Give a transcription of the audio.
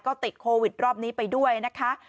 ก็ติดโควิดรอบนี้ไปด้วยนะคะ